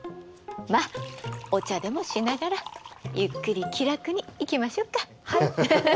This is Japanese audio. まあお茶でもしながらゆっくり気楽にいきましょうか。